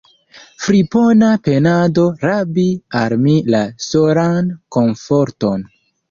Fripona penado rabi al mi la solan komforton!